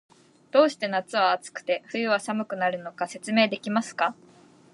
どうして夏は暑くて、冬は寒くなるのか、説明できますか？